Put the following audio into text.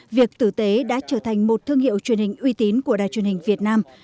việc tử tế đã trở thành một thương hiệu truyền hình uy tín của đài truyền hình việt nam